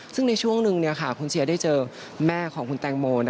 ซึ่งในช่วงหนึ่งคุณเชียร์ได้เจอแม่ของคุณแตงโม